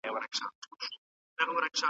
اقتصادي پلانونه په ډیرو هیوادونو کي پلي سوي دي.